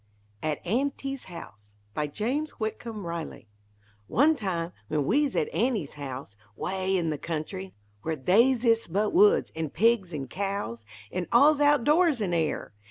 AT AUNTY'S HOUSE BY JAMES WHITCOMB RILEY One time, when we'z at Aunty's house 'Way in the country! where They's ist but woods an' pigs, an' cows An' all's out doors an' air!